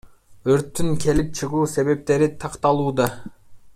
Өрттүн келип чыгуу себептери такталууда.